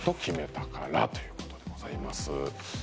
「決めたから」ということでございます